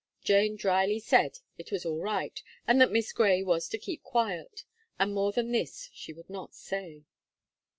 Jane drily said it was all right, and that Miss Gray was to keep quiet; and more than this she would not say.